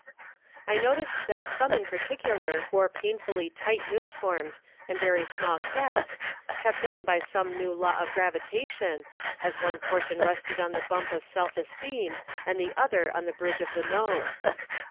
I noticed that some in particular wore painfully tight uniforms and very small caps, kept on by some new law of gravitation, as one portion rested on the bump of self esteem and the other on the bridge of the nose.